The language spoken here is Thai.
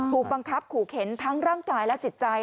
ถูกบังคับขู่เข็นทั้งร่างกายและจิตใจ